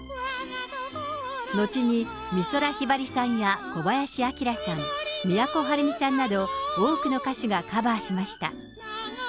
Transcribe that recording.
後に、美空ひばりさんや小林旭さん、都はるみさんなど、多くの歌手がカバーしました。